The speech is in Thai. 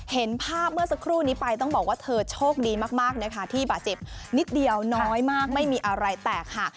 เห็นภาพเมื่อสักครู่นี้ไปต้องบอกว่าเธอโชคดีมากนะคะที่บาดเจ็บนิดเดียวน้อยมากไม่มีอะไรแตกค่ะ